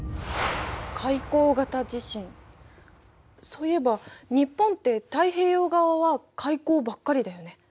そういえば日本って太平洋側は海溝ばっかりだよね。